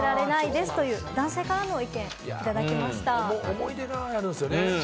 思い出があるんですよね。